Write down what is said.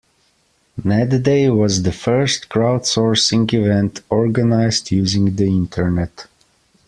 NetDay was the first crowd sourcing event organized using the Internet.